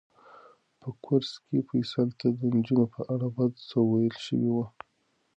په کورس کې فیصل ته د نجونو په اړه بد څه ویل شوي وو.